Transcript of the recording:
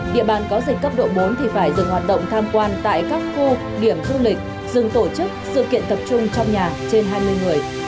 địa bàn có dịch cấp độ bốn thì phải dừng hoạt động tham quan tại các khu điểm du lịch dừng tổ chức sự kiện tập trung trong nhà trên hai mươi người